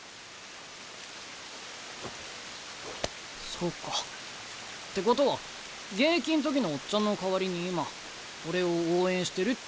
そうか。ってことは現役ん時のオッチャンの代わりに今俺を応援してるってことやな。